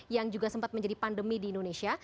yang juga sempat menjadi pandemi di indonesia